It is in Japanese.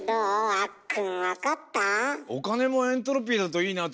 あっくん分かった？